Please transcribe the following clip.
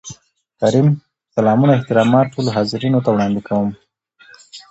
کريم : سلامونه احترامات ټولو حاضرينو ته وړاندې کوم.